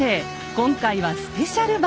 今回はスペシャル版！